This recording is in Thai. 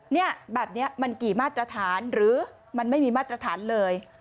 เนี่ยแบบนี้มันกี่มาตรฐานหรือมันไม่มีมาตรฐานเลย